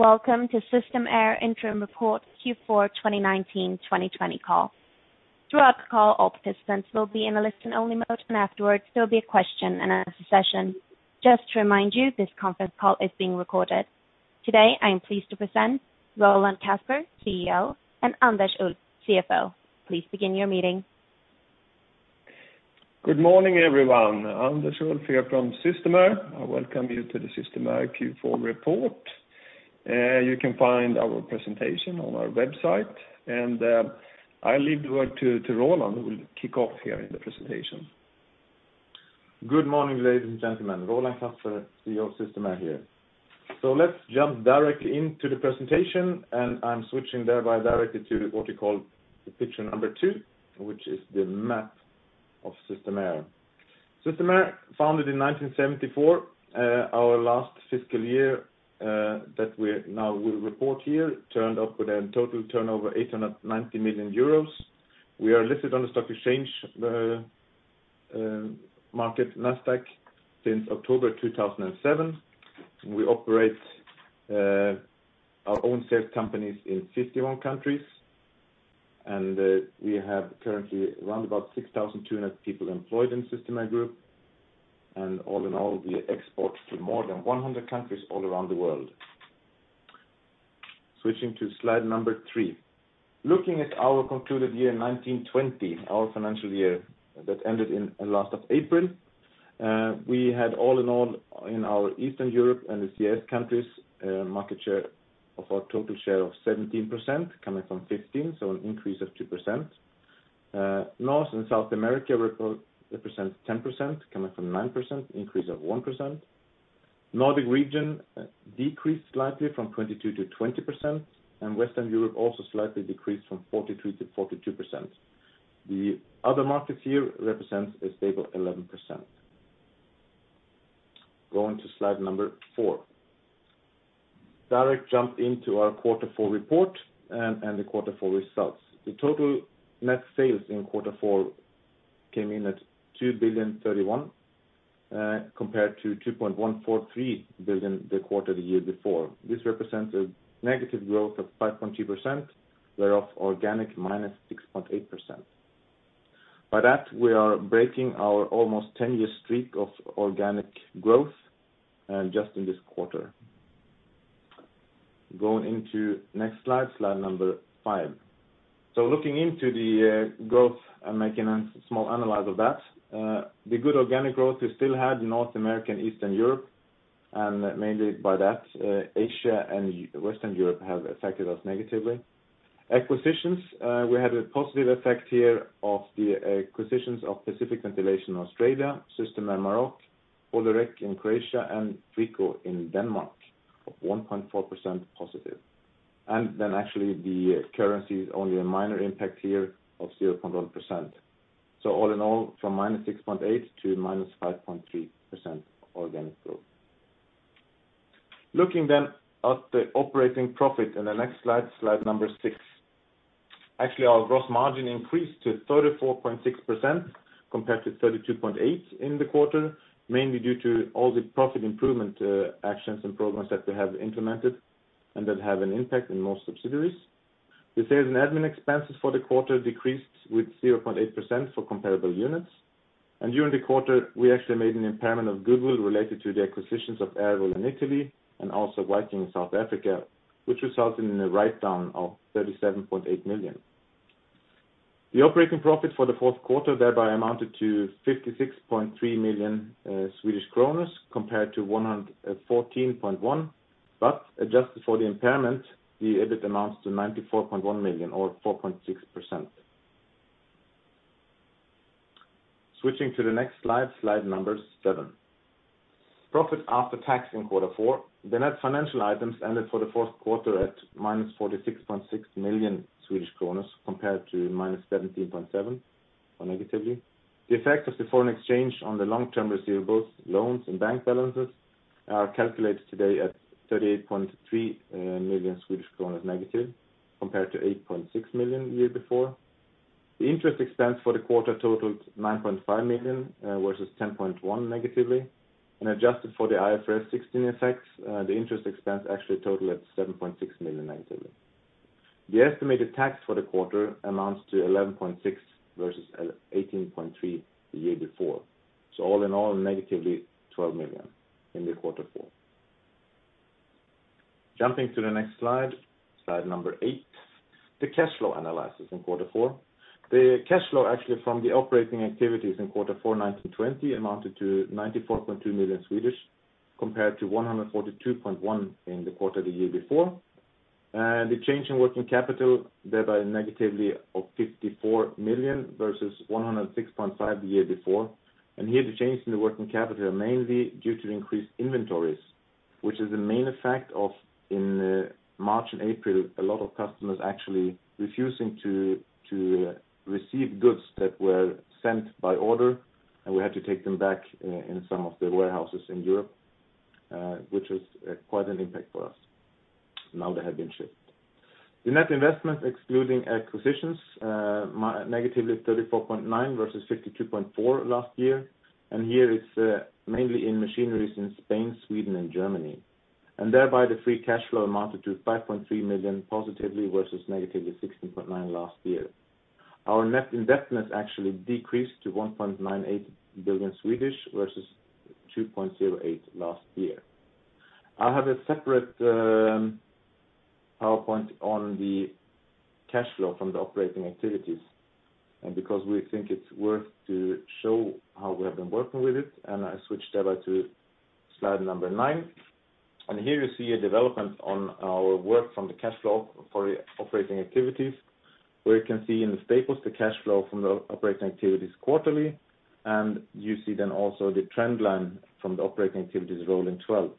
Welcome to Systemair Interim Report Q4 2019-2020 Call. Throughout the call, all participants will be in a listen-only mode, and afterwards there will be a question and a discussion. Just to remind you, this conference call is being recorded. Today I am pleased to present Roland Kasper, CEO, and Anders Ulff, CFO. Please begin your meeting. Good morning, everyone. Anders Ulff here from Systemair. I welcome you to the Systemair Q4 report. You can find our presentation on our website, and I'll leave the word to Roland who will kick off here in the presentation. Good morning, ladies and gentlemen. Roland Kasper, CEO of Systemair, here. So let's jump directly into the presentation, and I'm switching thereby directly to what we call picture number two, which is the map of Systemair. Systemair, founded in 1974, our last fiscal year that we now will report here turned up with a total turnover of 890 million euros. We are listed on the stock exchange market, NASDAQ, since October 2007. We operate our own sales companies in 51 countries, and we have currently around about 6,200 people employed in Systemair Group. And all in all, we export to more than 100 countries all around the world. Switching to slide number three. Looking at our concluded year in 2020, our financial year that ended in the last of April, we had all in all in our Eastern Europe and the CIS countries market share of our total share of 17%, coming from 15, so an increase of 2%. North and South America represents 10%, coming from 9%, increase of 1%. Nordic region decreased slightly from 22 to 20%, and Western Europe also slightly decreased from 43 to 42%. The other markets here represent a stable 11%. Going to slide 4. Direct jump into our quarter four report and the quarter four results. The total net sales in quarter four came in at 2.031 billion compared to 2.143 billion the quarter the year before. This represents a negative growth of 5.2%, whereof organic minus 6.8%. By that, we are breaking our almost 10-year streak of organic growth just in this quarter. Going into next slide, slide number 5. So looking into the growth and making a small analysis of that, the good organic growth we still had in North America and Eastern Europe, and mainly by that, Asia and Western Europe have affected us negatively. Acquisitions, we had a positive effect here of the acquisitions of Pacific Ventilation Australia, Systemair Maroc, Polypek in Croatia, and Frico in Denmark of 1.4% positive. And then actually, the currencies only a minor impact here of 0.1%. So all in all, from -6.8% to -5.3% organic growth. Looking then at the operating profit in the next slide, slide number 6. Actually, our gross margin increased to 34.6% compared to 32.8% in the quarter, mainly due to all the profit improvement actions and programs that we have implemented and that have an impact in most subsidiaries. The sales and admin expenses for the quarter decreased with 0.8% for comparable units. During the quarter, we actually made an impairment of goodwill related to the acquisitions of Airwell in Italy and also Viking in South Africa, which resulted in a write-down of 37.8 million. The operating profit for the fourth quarter thereby amounted to 56.3 million Swedish kronor compared to 114.1 million, but adjusted for the impairment, the EBIT amounts to 94.1 million or 4.6%. Switching to the next slide, slide number 7. Profit after tax in quarter four. The net financial items ended for the fourth quarter at minus 46.6 million Swedish kronor compared to minus 17.7 million or negatively. The effect of the foreign exchange on the long-term receivables, loans, and bank balances are calculated today at 38.3 million Swedish kronor negative compared to 8.6 million year before. The interest expense for the quarter totaled -9.5 million versus -10.1 million, and adjusted for the IFRS 16 effects, the interest expense actually totaled -7.6 million. The estimated tax for the quarter amounts to 11.6 million versus 18.3 million the year before. So all in all, -12 million in quarter four. Jumping to the next slide, slide number 8. The cash flow analysis in quarter four. The cash flow actually from the operating activities in quarter four 2020 amounted to 94.2 million compared to 142.1 million in the quarter the year before. The change in working capital thereby negatively of -54 million versus -106.5 million the year before. Here, the change in the working capital are mainly due to increased inventories, which is the main effect of in March and April, a lot of customers actually refusing to receive goods that were sent by order, and we had to take them back in some of the warehouses in Europe, which was quite an impact for us. Now they have been shipped. The net investments excluding acquisitions -34.9 versus -52.4 last year. Here, it's mainly in machineries in Spain, Sweden, and Germany. Thereby, the free cash flow amounted to 5.3 million positively versus -16.9 million last year. Our net indebtedness actually decreased to 1.98 billion versus 2.08 billion last year. I have a separate PowerPoint on the cash flow from the operating activities. Because we think it's worth to show how we have been working with it, and I switched thereby to slide number 9. Here, you see a development on our work from the cash flow for the operating activities, where you can see in the staples the cash flow from the operating activities quarterly. You see then also the trend line from the operating activities rolling 12.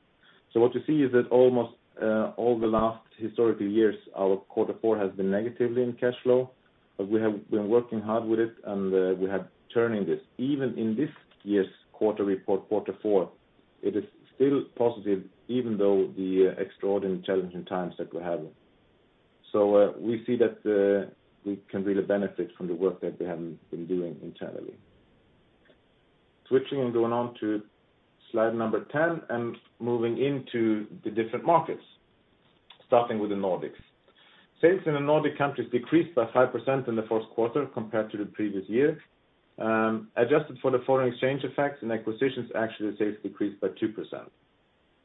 So what you see is that almost all the last historical years, our quarter four has been negatively in cash flow, but we have been working hard with it, and we have been turning this. Even in this year's quarter report, quarter four, it is still positive even though the extraordinary challenging times that we're having. So we see that we can really benefit from the work that we have been doing internally. Switching and going on to slide number 10 and moving into the different markets, starting with the Nordics. Sales in the Nordic countries decreased by 5% in the first quarter compared to the previous year. Adjusted for the foreign exchange effects and acquisitions, actually, sales decreased by 2%.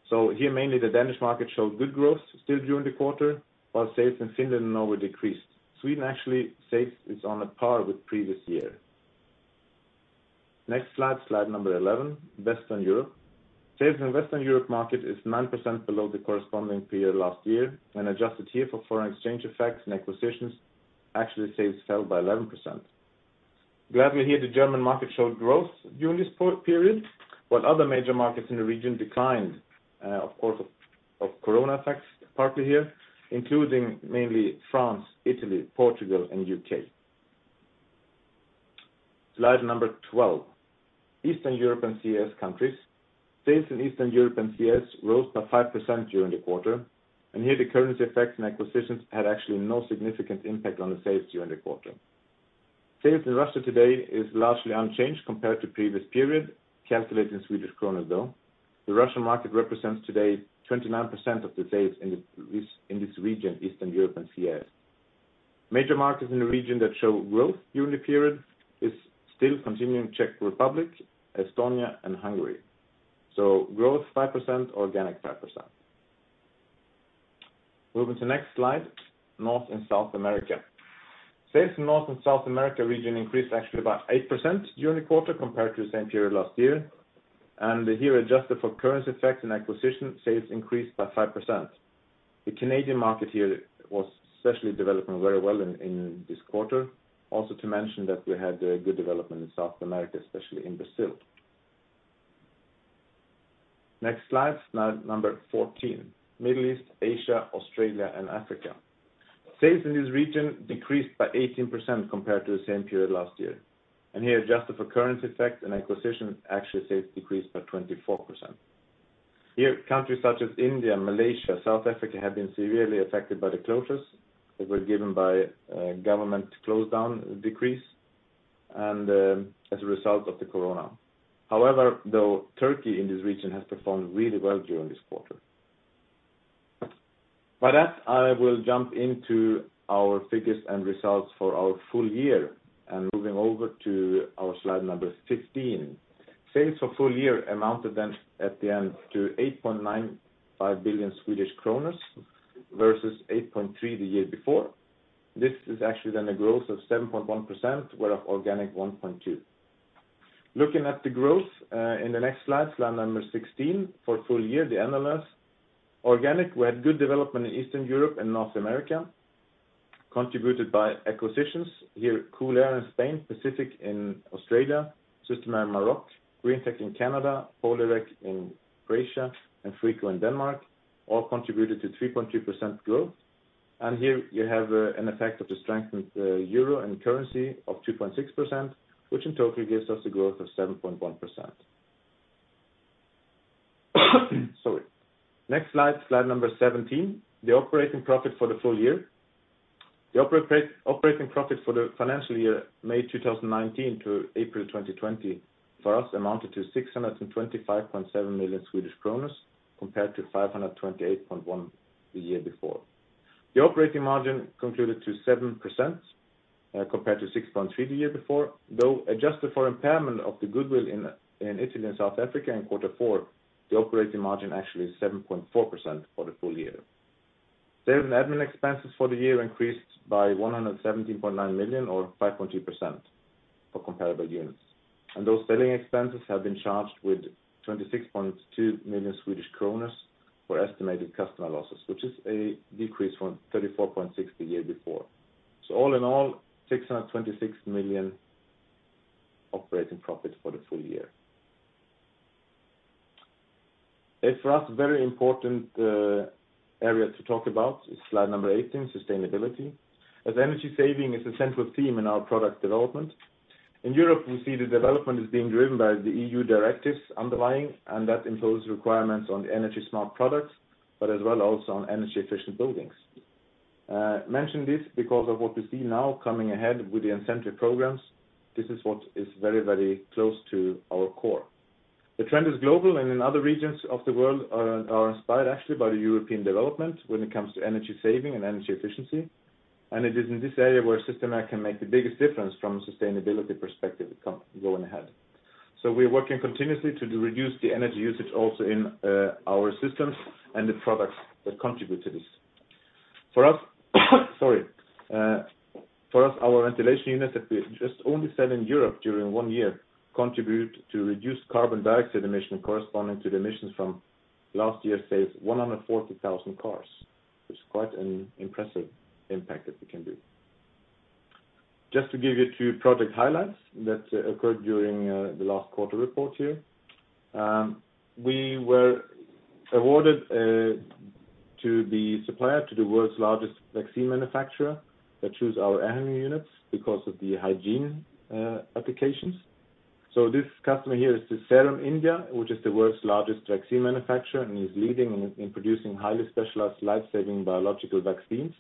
So here, mainly the Danish market showed good growth still during the quarter, while sales in Finland and Norway decreased. Sweden, actually, sales is on a par with previous year. Next slide, slide number 11, Western Europe. Sales in the Western Europe market is 9% below the corresponding period last year. And adjusted here for foreign exchange effects and acquisitions, actually, sales fell by 11%. Gladly here, the German market showed growth during this period, while other major markets in the region declined, of course, of corona effects partly here, including mainly France, Italy, Portugal, and UK. Slide number 12. Eastern Europe and CIS countries. Sales in Eastern Europe and CIS rose by 5% during the quarter. And here, the currency effects and acquisitions had actually no significant impact on the sales during the quarter. Sales in Russia today is largely unchanged compared to previous period, calculating Swedish kroner, though. The Russian market represents today 29% of the sales in this region, Eastern Europe and CIS. Major markets in the region that show growth during the period are still continuing Czech Republic, Estonia, and Hungary. So growth 5%, organic 5%. Moving to next slide, North and South America. Sales in North and South America region increased actually by 8% during the quarter compared to the same period last year. And here, adjusted for currency effects and acquisition, sales increased by 5%. The Canadian market here was especially developing very well in this quarter. Also to mention that we had good development in South America, especially in Brazil. Next slide, number 14. Middle East, Asia, Australia, and Africa. Sales in this region decreased by 18% compared to the same period last year. And here, adjusted for currency effects and acquisition, actually, sales decreased by 24%. Here, countries such as India, Malaysia, and South Africa have been severely affected by the closures that were given by government closed-down decrease and as a result of the corona. However, though, Turkey in this region has performed really well during this quarter. By that, I will jump into our figures and results for our full year and moving over to our slide number 15. Sales for full year amounted then at the end to 8.95 billion Swedish kronor versus 8.3 billion the year before. This is actually then a growth of 7.1%, whereof organic 1.2%. Looking at the growth in the next slide, slide number 16 for full year, the analysis. Organic, we had good development in Eastern Europe and North America, contributed by acquisitions. Here, Koolair in Spain, Pacific in Australia, Systemair Maroc, Greentek in Canada, Polyrek in Croatia, and Frico in Denmark, all contributed to 3.2% growth. And here, you have an effect of the strengthened euro and currency of 2.6%, which in total gives us a growth of 7.1%. Sorry. Next slide, slide number 17. The operating profit for the full year. The operating profit for the financial year, May 2019 to April 2020 for us, amounted to 625.7 million Swedish kronor compared to 528.1 million SEK the year before. The operating margin concluded to 7% compared to 6.3% the year before. Though adjusted for impairment of the goodwill in Italy and South Africa in quarter four, the operating margin actually is 7.4% for the full year. Sales and admin expenses for the year increased by 117.9 million or 5.2% for comparable units. And those selling expenses have been charged with 26.2 million Swedish kroners for estimated customer losses, which is a decrease from 34.6 million the year before. So all in all, 626 million operating profit for the full year. A for us very important area to talk about is slide number 18, sustainability. As energy saving is a central theme in our product development. In Europe, we see the development is being driven by the EU directives underlying, and that imposes requirements on energy-smart products, but as well also on energy-efficient buildings. Mention this because of what we see now coming ahead with the incentive programs. This is what is very, very close to our core. The trend is global, and in other regions of the world, are inspired actually by the European development when it comes to energy saving and energy efficiency. And it is in this area where Systemair can make the biggest difference from a sustainability perspective going ahead. So we are working continuously to reduce the energy usage also in our systems and the products that contribute to this. For us sorry. For us, our ventilation units that we just only sell in Europe during one year contribute to reduced carbon dioxide emission corresponding to the emissions from last year's sales, 140,000 cars, which is quite an impressive impact that we can do. Just to give you two project highlights that occurred during the last quarter report here. We were awarded to be supplied to the world's largest vaccine manufacturer that choose our air handling units because of the hygiene applications. So this customer here is the Serum India, which is the world's largest vaccine manufacturer, and he's leading in producing highly specialized life-saving biological vaccines.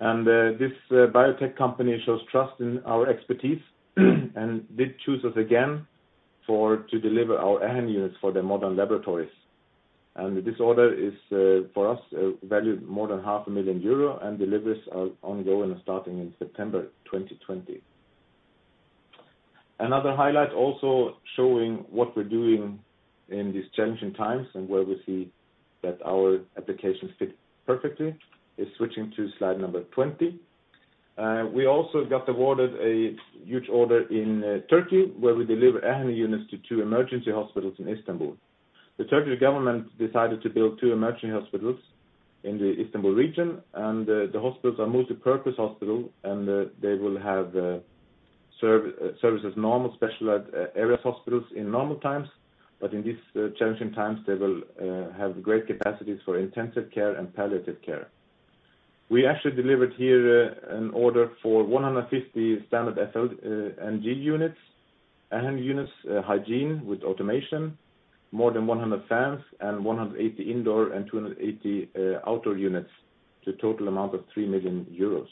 This biotech company shows trust in our expertise and did choose us again to deliver our air handling units for their modern laboratories. This order is for us valued more than 500,000 euro and deliveries are ongoing and starting in September 2020. Another highlight also showing what we're doing in these challenging times and where we see that our applications fit perfectly is switching to slide number 20. We also got awarded a huge order in Turkey where we deliver air handling units to two emergency hospitals in Istanbul. The Turkish government decided to build 2 emergency hospitals in the Istanbul region, and the hospitals are multipurpose hospitals, and they will have serviced as normal specialized area hospitals in normal times. But in these challenging times, they will have great capacities for intensive care and palliative care. We actually delivered here an order for 150 standard Geniox units, air handling units, hygiene with automation, more than 100 fans, and 180 indoor and 280 outdoor units to a total amount of 3 million euros.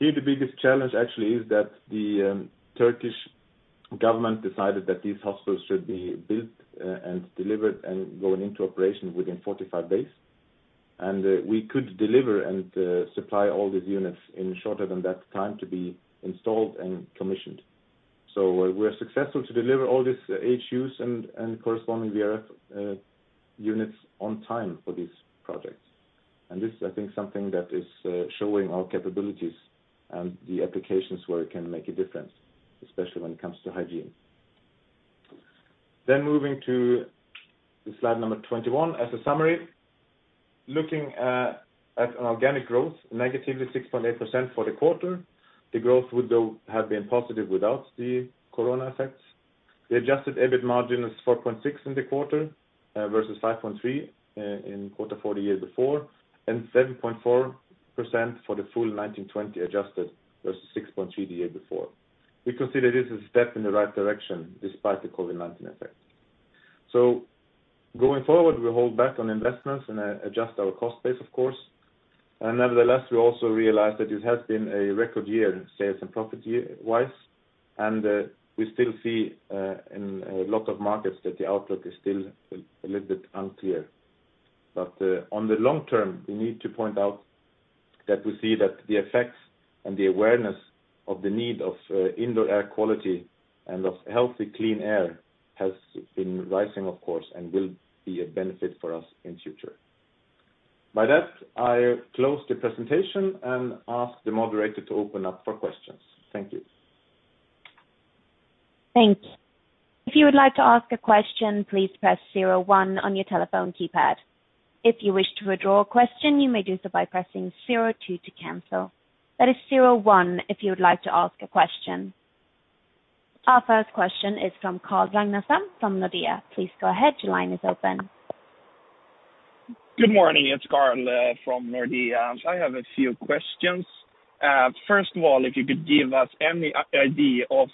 Here, the biggest challenge actually is that the Turkish government decided that these hospitals should be built and delivered and going into operation within 45 days. We could deliver and supply all these units in shorter than that time to be installed and commissioned. We're successful to deliver all these AHUs and corresponding VRF units on time for these projects. This, I think, is something that is showing our capabilities and the applications where it can make a difference, especially when it comes to hygiene. Then, moving to slide 21. As a summary, looking at an organic growth, negatively 6.8% for the quarter. The growth would, though, have been positive without the corona effects. The adjusted EBIT margin is 4.6 in the quarter versus 5.3 in quarter four the year before and 7.4% for the full 1920 adjusted versus 6.3 the year before. We consider this a step in the right direction despite the COVID-19 effect. Going forward, we hold back on investments and adjust our cost base, of course. And nevertheless, we also realize that it has been a record year sales and profit-wise. And we still see in a lot of markets that the outlook is still a little bit unclear. But on the long term, we need to point out that we see that the effects and the awareness of the need of indoor air quality and of healthy, clean air has been rising, of course, and will be a benefit for us in future. By that, I close the presentation and ask the operator to open up for questions. Thank you. Thanks. If you would like to ask a question, please press 01 on your telephone keypad. If you wish to withdraw a question, you may do so by pressing 02 to cancel. That is 01 if you would like to ask a question. Our first question is from Carl Ragnerstam from Nordea. Please go ahead. Your line is open. Good morning. It's Carl from Nordea. I have a few questions. First of all, if you could give us any idea of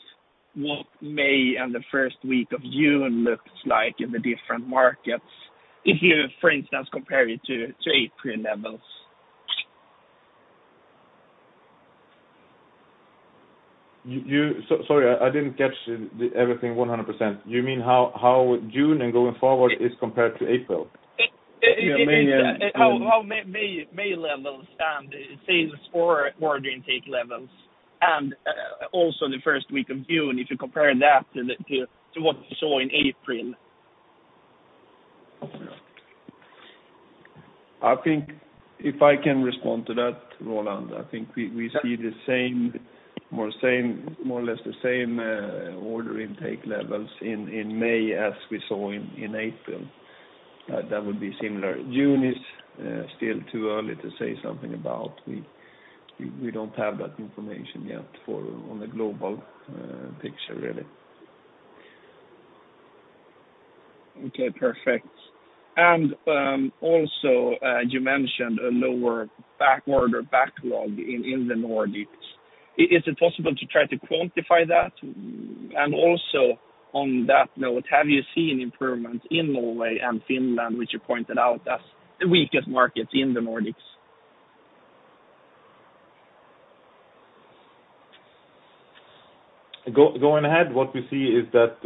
what May and the first week of June looks like in the different markets if you, for instance, compare it to April levels? Sorry. I didn't catch everything 100%. You mean how June and going forward is compared to April? You mean how May levels and sales forward intake levels and also the first week of June if you compare that to what you saw in April? I think if I can respond to that, Roland, I think we see more or less the same order intake levels in May as we saw in April. That would be similar. June is still too early to say something about. We don't have that information yet on the global picture, really. Okay. Perfect. And also, you mentioned a lower backward or backlog in the Nordics. Is it possible to try to quantify that? And also on that note, have you seen improvements in Norway and Finland, which you pointed out as the weakest markets in the Nordics? Going ahead, what we see is that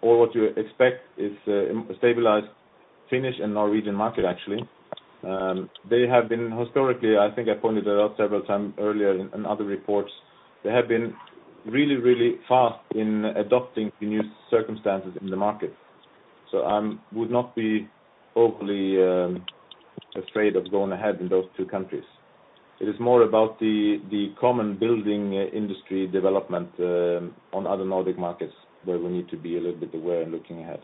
or what you expect is a stabilized Finnish and Norwegian market, actually. They have been historically I think I pointed it out several times earlier in other reports. They have been really, really fast in adopting the new circumstances in the market. So I would not be overly afraid of going ahead in those two countries. It is more about the common building industry development on other Nordic markets where we need to be a little bit aware and looking ahead.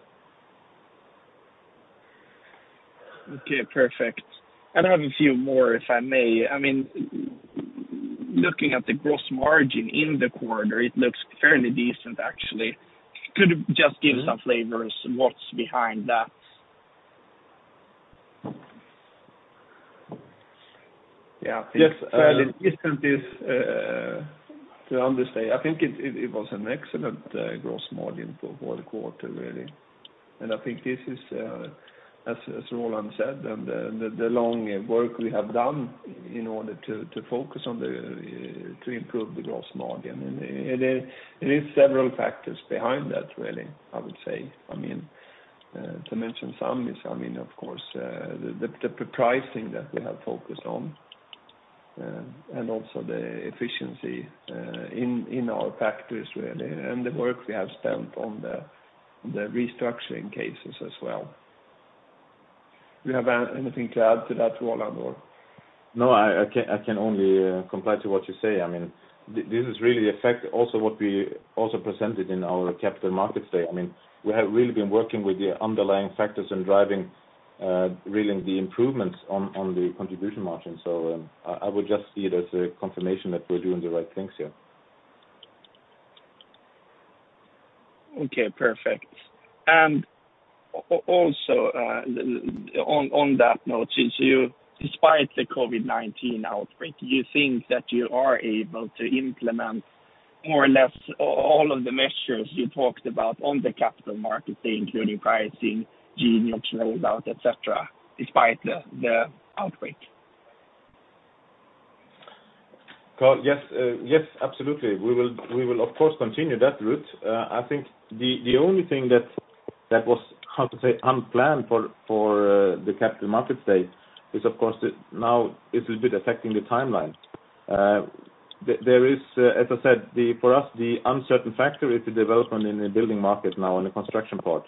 Okay. Perfect. I have a few more if I may. I mean, looking at the gross margin in the quarter, it looks fairly decent, actually. Could you just give some flavors what's behind that? Yeah. I think fairly decent is to understate. I think it was an excellent gross margin for the quarter, really. And I think this is, as Roland said, and the long work we have done in order to focus on the to improve the gross margin. And there are several factors behind that, really, I would say. I mean, to mention some is, I mean, of course, the pricing that we have focused on and also the efficiency in our factories, really, and the work we have spent on the restructuring cases as well. Do you have anything to add to that, Roland, or? No. I can only comply to what you say. I mean, this is really also what we also presented in our capital markets day. I mean, we have really been working with the underlying factors and driving really the improvements on the contribution margin. So I would just see it as a confirmation that we're doing the right things here. Okay. Perfect. And also on that note, despite the COVID-19 outbreak, do you think that you are able to implement more or less all of the measures you talked about on the capital markets day, including pricing, Geniox option rollout, etc., despite the outbreak? Yes. Yes. Absolutely. We will, of course, continue that route. I think the only thing that was, how to say, unplanned for the capital markets day is, of course, now it's a little bit affecting the timeline. There is, as I said, for us, the uncertain factor is the development in the building market now in the construction part.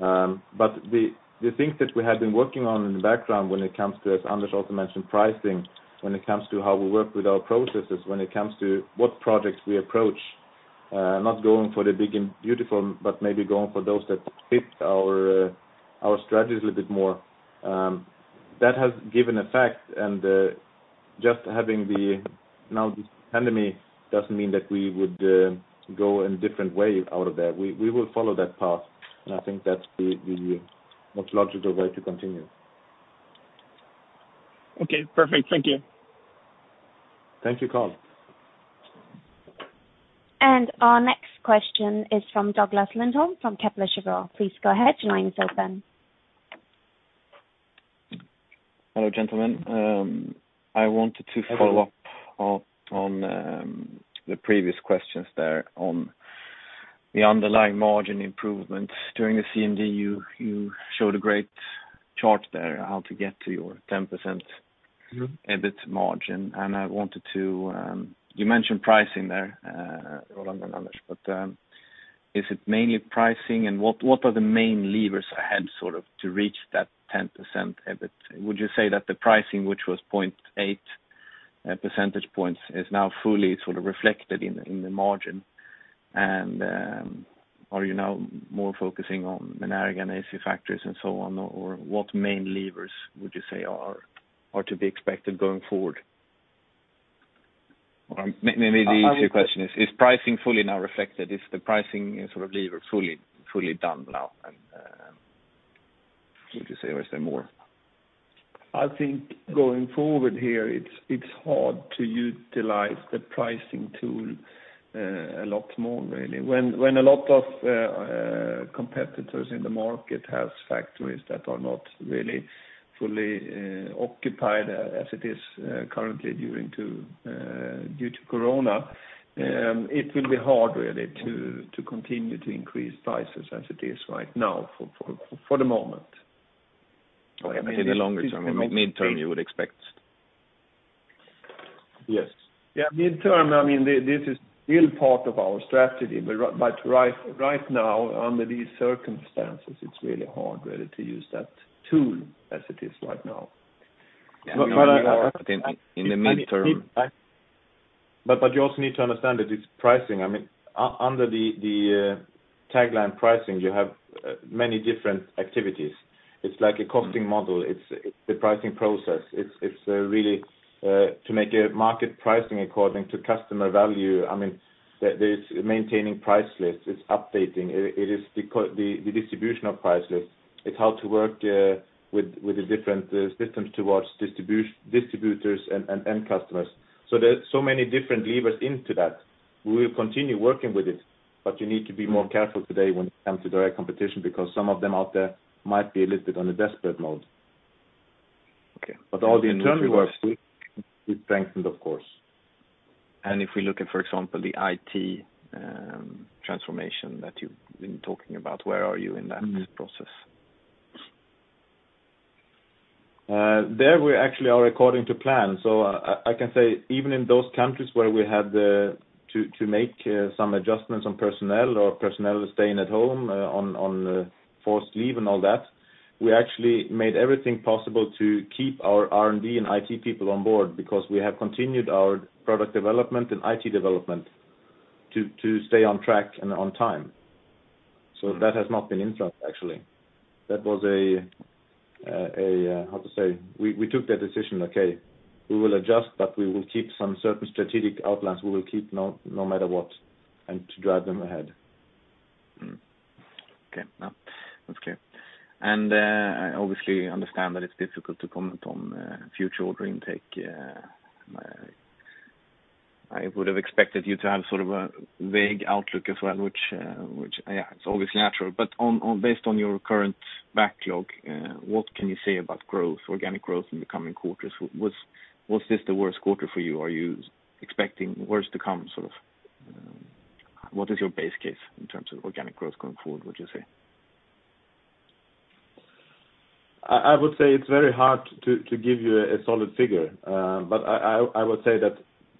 But the things that we have been working on in the background when it comes to, as Anders also mentioned, pricing, when it comes to how we work with our processes, when it comes to what projects we approach, not going for the big and beautiful but maybe going for those that fit our strategies a little bit more, that has given effect. And just having now this pandemic doesn't mean that we would go a different way out of there. We will follow that path. And I think that's the most logical way to continue. Okay. Perfect. Thank you. Thank you, Carl. And our next question is from Douglas Lindholm from Kepler Cheuvreux. Please go ahead. Your line is open. Hello, gentlemen. I wanted to follow up on the previous questions there on the underlying margin improvement. During the CMD, you showed a great chart there on how to get to your 10% EBIT margin. I wanted to you mentioned pricing there, Roland and Anders. But is it mainly pricing, and what are the main levers ahead sort of to reach that 10% EBIT? Would you say that the pricing, which was 0.8 percentage points, is now fully sort of reflected in the margin? And are you now more focusing on Menerga and AC factors and so on, or what main levers would you say are to be expected going forward? Or maybe the easier question is, is pricing fully now reflected? Is the pricing sort of lever fully done now? And would you say, or is there more? I think going forward here, it's hard to utilize the pricing tool a lot more, really. When a lot of competitors in the market have factories that are not really fully occupied as it is currently due to corona, it will be hard, really, to continue to increase prices as it is right now for the moment. Okay. But in the longer term, mid-term, you would expect? Yes. Yeah. Mid-term, I mean, this is still part of our strategy. But right now, under these circumstances, it's really hard, really, to use that tool as it is right now. But I think in the mid-term. But you also need to understand that it's pricing. I mean, under the tagline pricing, you have many different activities. It's like a costing model. It's the pricing process. It's really to make a market pricing according to customer value. I mean, there's maintaining price lists. It's updating. It is the distribution of price lists. It's how to work with the different systems towards distributors and customers. So there are so many different levers into that. We will continue working with it, but you need to be more careful today when it comes to direct competition because some of them out there might be a little bit on a desperate mode. But all the internal work will be strengthened, of course. And if we look at, for example, the IT transformation that you've been talking about, where are you in that process? There, we actually are according to plan. So I can say even in those countries where we had to make some adjustments on personnel or personnel staying at home on forced leave and all that, we actually made everything possible to keep our R&D and IT people on board because we have continued our product development and IT development to stay on track and on time. So that has not been in front, actually. That was, how to say? We took that decision, "Okay. We will adjust, but we will keep some certain strategic outlines. We will keep no matter what," and to drive them ahead. Okay. That's clear. And I obviously understand that it's difficult to comment on future order intake. I would have expected you to have sort of a vague outlook as well, which, yeah, it's obviously natural. But based on your current backlog, what can you say about organic growth in the coming quarters? Was this the worst quarter for you? Are you expecting worse to come sort of? What is your base case in terms of organic growth going forward, would you say? I would say it's very hard to give you a solid figure. But I would say that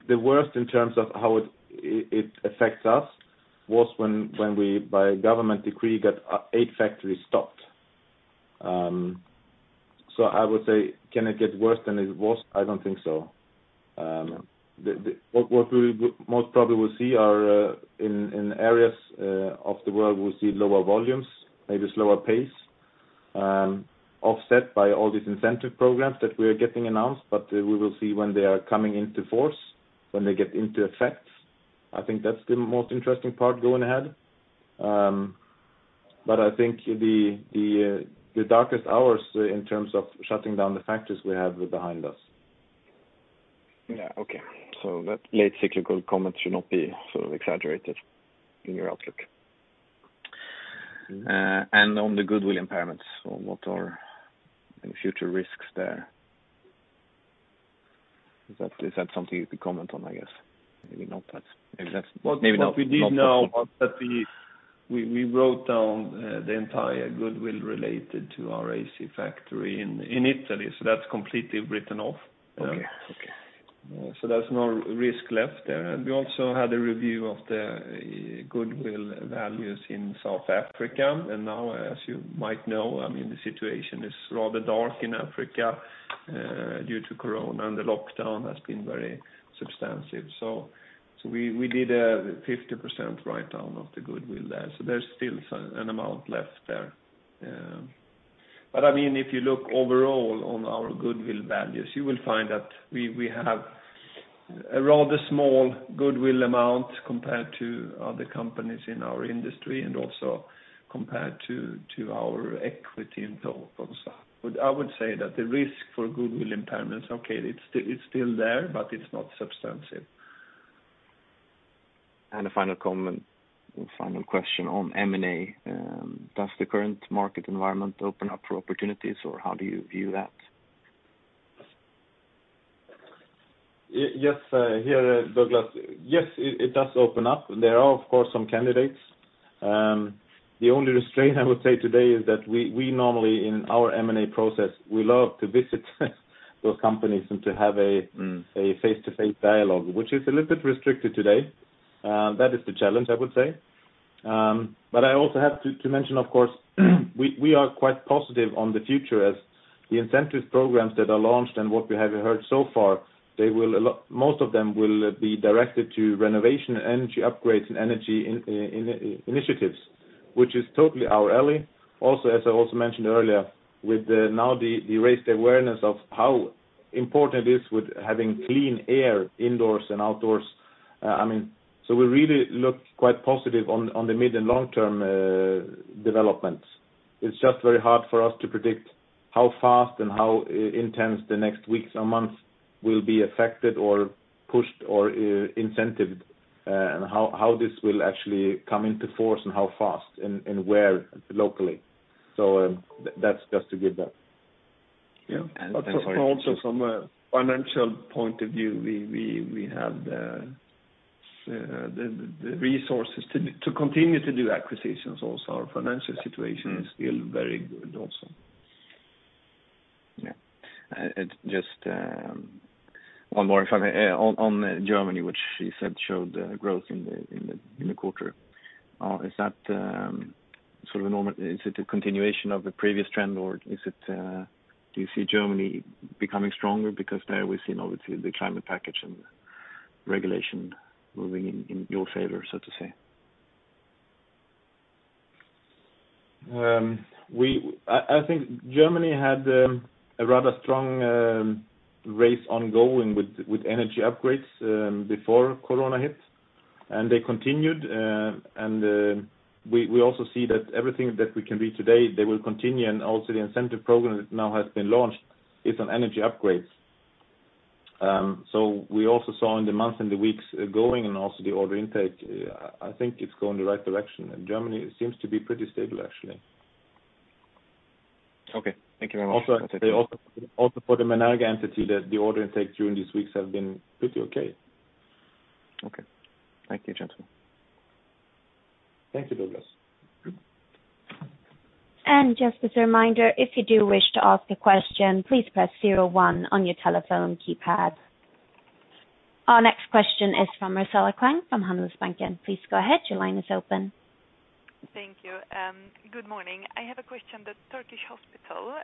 the worst in terms of how it affects us was when we, by government decree, got 8 factories stopped. So I would say, can it get worse than it was? I don't think so. What we most probably will see are in areas of the world, we'll see lower volumes, maybe slower pace, offset by all these incentive programs that we are getting announced. But we will see when they are coming into force, when they get into effect. I think that's the most interesting part going ahead. But I think the darkest hours in terms of shutting down the factories, we have behind us. Yeah. Okay. So that late cyclical comment should not be sort of exaggerated in your outlook. And on the goodwill impairments, what are any future risks there? Is that something you could comment on, I guess? Maybe not. Maybe not. What we did know was that we wrote down the entire goodwill related to our AC factory in Italy. So that's completely written off. So there's no risk left there. And we also had a review of the goodwill values in South Africa. And now, as you might know, I mean, the situation is rather dark in Africa due to corona, and the lockdown has been very substantive. So we did a 50% write-down of the goodwill there. So there's still an amount left there. But I mean, if you look overall on our goodwill values, you will find that we have a rather small goodwill amount compared to other companies in our industry and also compared to our equity in total. So I would say that the risk for goodwill impairments, okay, it's still there, but it's not substantive. And a final comment, final question on M&A. Does the current market environment open up for opportunities, or how do you view that? Yes. Here, Douglas. Yes, it does open up. There are, of course, some candidates. The only restraint, I would say, today is that we normally, in our M&A process, we love to visit those companies and to have a face-to-face dialogue, which is a little bit restricted today. That is the challenge, I would say. But I also have to mention, of course, we are quite positive on the future as the incentive programs that are launched and what we have heard so far, most of them will be directed to renovation and energy upgrades and energy initiatives, which is totally our alley. Also, as I also mentioned earlier, with now the raised awareness of how important it is with having clean air indoors and outdoors. I mean, so we really look quite positive on the mid and long-term developments. It's just very hard for us to predict how fast and how intense the next weeks or months will be affected or pushed or incentivized, and how this will actually come into force and how fast and where locally. So that's just to give that. Yeah. And also from a financial point of view, we have the resources to continue to do acquisitions also. Our financial situation is still very good also. Yeah. Just one more if I may. On Germany, which you said showed growth in the quarter, is that sort of a normal? Is it a continuation of the previous trend, or do you see Germany becoming stronger because there we've seen, obviously, the climate package and regulation moving in your favor, so to say? I think Germany had a rather strong race ongoing with energy upgrades before corona hit, and they continued. And we also see that everything that we can read today, they will continue. And also the incentive program that now has been launched is on energy upgrades. So we also saw in the months and the weeks going and also the order intake. I think it's going the right direction. And Germany seems to be pretty stable, actually. Okay. Thank you very much. That's it. Also for the NARIGA entity, the order intake during these weeks has been pretty okay. Okay. Thank you, gentlemen. Thank you, Douglas. And just as a reminder, if you do wish to ask a question, please press 01 on your telephone keypad. Our next question is from Marcela Klang from Handelsbanken. Please go ahead. Your line is open. Thank you. Good morning. I have a question that Turkish Hospital,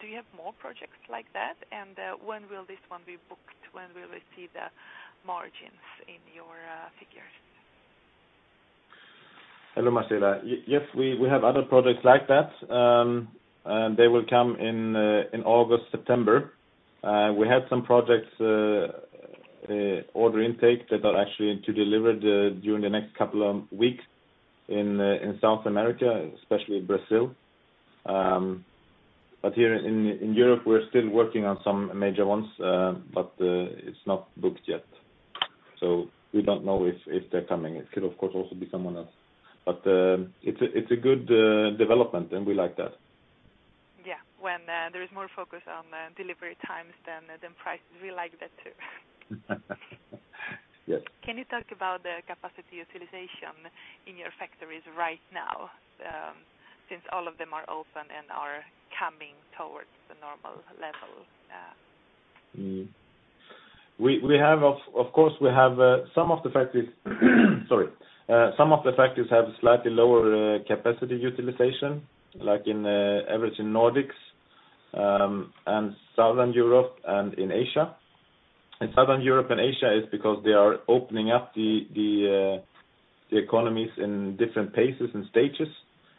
do you have more projects like that? And when will this one be booked? When will we see the margins in your figures? Hello, Marcela. Yes, we have other projects like that, and they will come in August, September. We had some projects, order intake, that are actually to deliver during the next couple of weeks in South America, especially Brazil. But here in Europe, we're still working on some major ones, but it's not booked yet. So we don't know if they're coming. It could, of course, also be someone else. But it's a good development, and we like that. Yeah. When there is more focus on delivery times than prices, we like that too. Can you talk about the capacity utilization in your factories right now since all of them are open and are coming towards the normal level? Of course, we have some of the factories. Some of the factories have slightly lower capacity utilization, like average in Nordics and Southern Europe and in Asia. And Southern Europe and Asia is because they are opening up the economies in different paces and stages.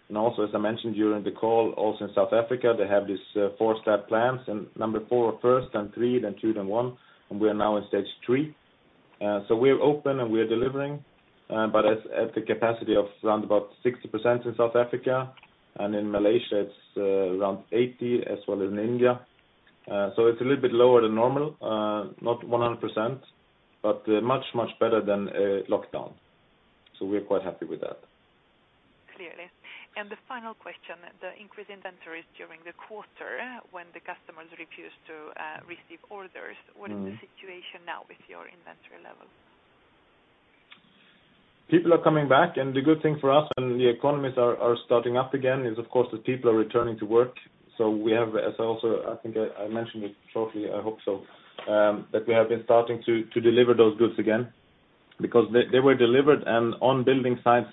And also, as I mentioned during the call, also in South Africa, they have these 4-step plans, number 4 or first, then 3, then 2, then 1. And we are now in stage 3. So we're open, and we're delivering. But at the capacity of around 60% in South Africa, and in Malaysia, it's around 80% as well as in India. So it's a little bit lower than normal, not 100%, but much, much better than lockdown. So we're quite happy with that. Clearly. And the final question, the increase in inventories during the quarter when the customers refuse to receive orders, what is the situation now with your inventory level? People are coming back. And the good thing for us and the economies are starting up again is, of course, that people are returning to work. So we have also I think I mentioned it shortly. I hope so, that we have been starting to deliver those goods again because they were delivered. And on building sites,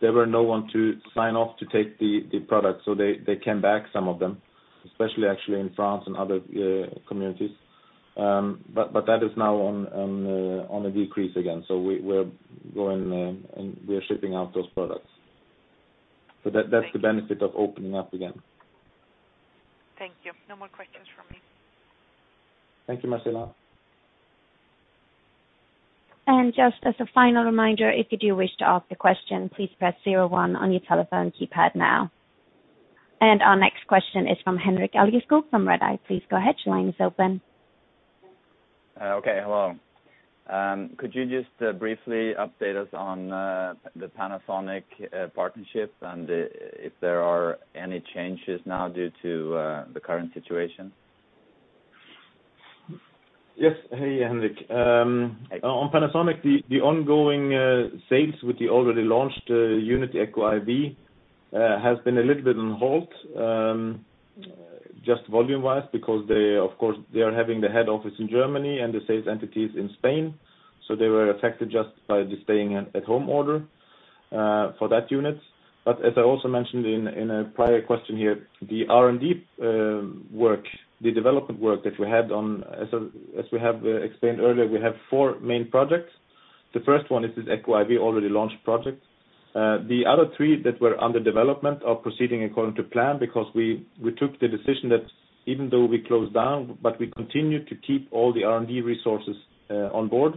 there were no one to sign off to take the products. So they came back, some of them, especially actually in France and other communities. But that is now on a decrease again. So we're going, and we are shipping out those products. So that's the benefit of opening up again. Thank you. No more questions from me. Thank you, Marcela. And just as a final reminder, if you do wish to ask a question, please press 01 on your telephone keypad now. And our next question is from Henrik Alveskog from RedEye. Please go ahead. Your line is open. Okay. Hello. Could you just briefly update us on the Panasonic partnership and if there are any changes now due to the current situation? Yes. Hey, Henrik. On Panasonic, the ongoing sales with the already launched ECOi-W has been a little bit on hold just volume-wise because, of course, they are having the head office in Germany and the sales entities in Spain. So they were affected just by the staying-at-home order for that unit. But as I also mentioned in a prior question here, the R&D work, the development work that we had on as we have explained earlier, we have four main projects. The first one is this ECOi-W already launched project. The other three that were under development are proceeding according to plan because we took the decision that even though we closed down, but we continued to keep all the R&D resources on board.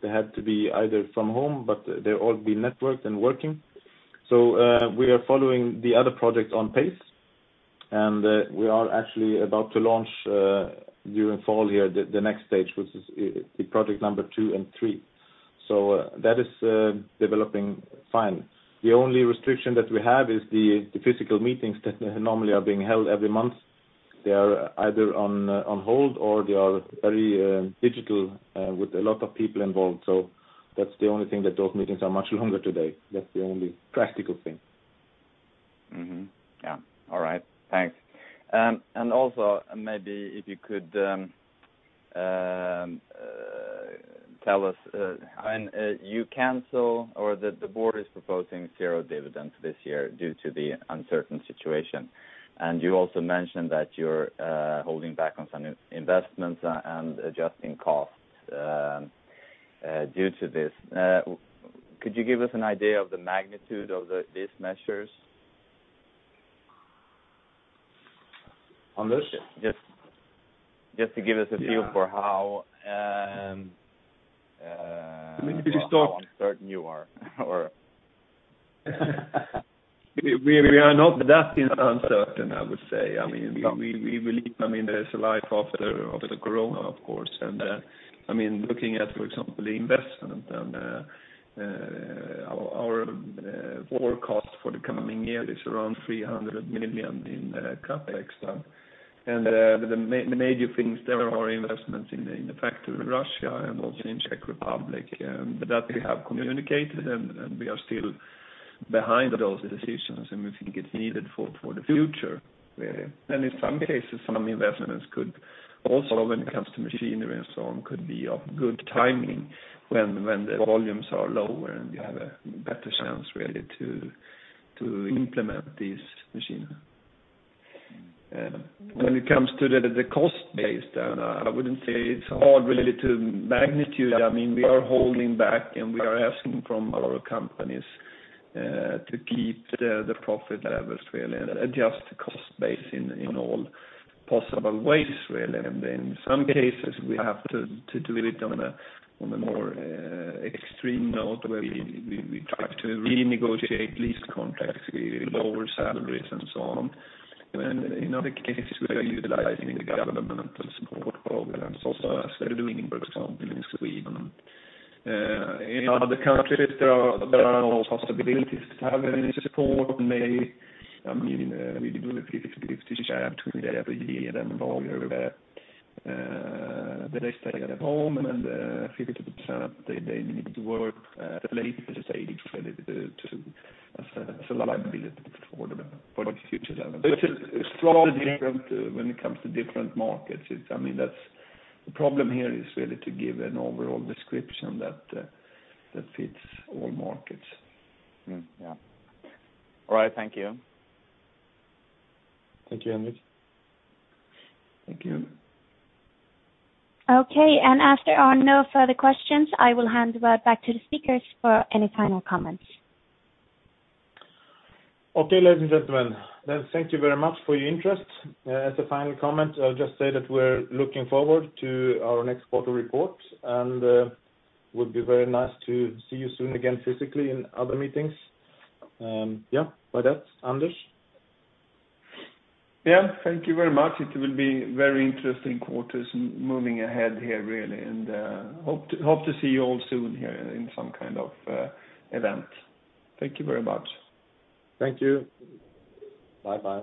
They had to be either from home, but they're all being networked and working. So we are following the other project on pace. We are actually about to launch during fall here the next stage, which is project number 2 and 3. So that is developing fine. The only restriction that we have is the physical meetings that normally are being held every month. They are either on hold, or they are very digital with a lot of people involved. So that's the only thing that those meetings are much longer today. That's the only practical thing. Yeah. All right. Thanks. And also maybe if you could tell us I mean, you cancel or the board is proposing zero dividends this year due to the uncertain situation. And you also mentioned that you're holding back on some investments and adjusting costs due to this. Could you give us an idea of the magnitude of these measures? On this? Just to give us a feel for how uncertain you are, or. We are not that uncertain, I would say. I mean, we believe I mean, there's a life after the corona, of course. And I mean, looking at, for example, the investment, then our forecast for the coming year is around 300 million in CapEx. And the major things there are investments in the factory in Russia and also in Czech Republic. But that we have communicated, and we are still behind those decisions. And we think it's needed for the future, really. And in some cases, some investments could also when it comes to machinery and so on could be of good timing when the volumes are lower, and you have a better chance, really, to implement these machines. When it comes to the cost base, then I wouldn't say it's hard, really, to magnitude. I mean, we are holding back, and we are asking from our companies to keep the profit levels, really, and adjust the cost base in all possible ways, really. And in some cases, we have to do it on a more extreme note where we try to renegotiate lease contracts, lower salaries, and so on. And in other cases, we are utilizing the governmental support programs, also as they're doing, for example, in Sweden. In other countries, there are no possibilities to have any support. And maybe, I mean, we do a 50/50 share between every year and then longer where they stay at home, and then 50% they need to work at a later stage really as a liability for the future level. So it's rather different when it comes to different markets. I mean, the problem here is really to give an overall description that fits all markets. Yeah. All right. Thank you. Thank you, Henrik. Thank you. Okay. And after our no further questions, I will hand back to the speakers for any final comments. Okay, ladies and gentlemen. Then thank you very much for your interest. As a final comment, I'll just say that we're looking forward to our next quarter report. And it would be very nice to see you soon again physically in other meetings. Yeah. Bye, Anders. Yeah. Thank you very much. It will be very interesting quarters moving ahead here, really. And hope to see you all soon here in some kind of event. Thank you very much. Thank you. Bye-bye.